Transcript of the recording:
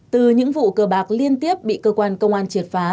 từ những vụ cờ bạc liên tiếp bị cơ quan công an triệt phá